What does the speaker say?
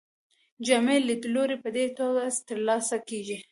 جامع لیدلوری په دې توګه ترلاسه کیږي.